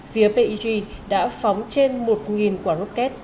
phía pij đã phóng trên một quả rocket